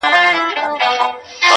صرف و نحو دي ویلي که نه دي؛